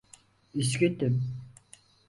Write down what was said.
Üzgündüm.